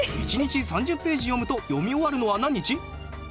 １日３０ページ読むと読み終わるのは何日？